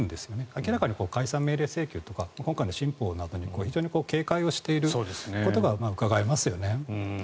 明らかに解散命令請求とか今回の新法とかに警戒していることがうかがえますよね。